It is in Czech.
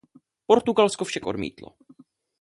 Portugalsko však odmítlo.